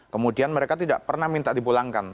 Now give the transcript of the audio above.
kemudian mereka tidak pernah minta dipulangkan